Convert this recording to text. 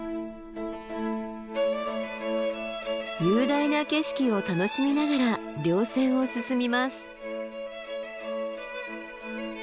雄大な景色を楽しみながら稜線を進みます。